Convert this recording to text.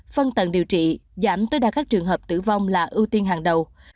phân tận điều trị giảm tới đa các trường hợp tử vong là ưu tiên hàng đầu